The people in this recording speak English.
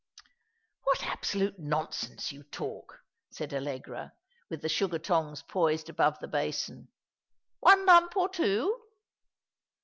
'' What absolute nonsense you talk," said Allegra, with the sugar tongs poised above the basin. ''One lump— or two?"